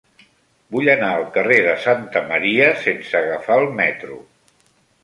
Vull anar al carrer de Santa Maria sense agafar el metro.